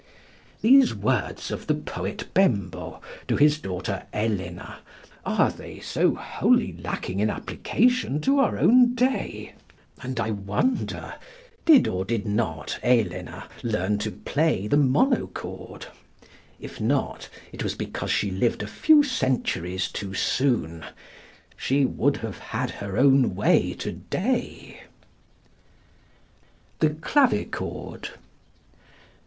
These words of the poet Bembo to his daughter Elena are they so wholly lacking in application to our own day? And I wonder did or did not Elena learn to play the monochord? If not, it was because she lived a few centuries too soon. She would have had her own way to day! The Clavichord.